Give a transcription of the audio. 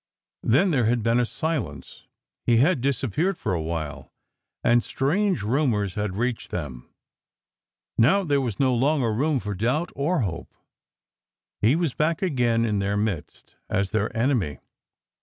Then there had been a silence; he had disappeared for a while, and strange rumours had reached them. Now there was no longer room for doubt or hope. He was back again in their midst — as their enemy.